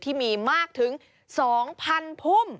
ที่มีมากถึง๒๐๐๐พุ่ม